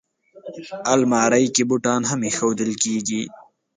الماري کې بوټان هم ایښودل کېږي